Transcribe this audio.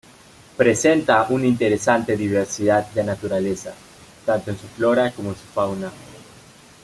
Presenta una interesante diversidad de naturaleza, tanto en su flora como en su fauna.